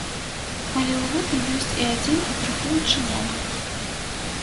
Але ў гэтым ёсць і адзін інтрыгуючы момант.